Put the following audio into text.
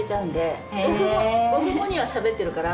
５分後にはしゃべってるから。